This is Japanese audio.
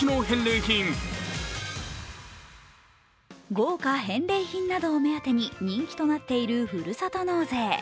豪華返礼品などを目当てに人気となっているふるさと納税。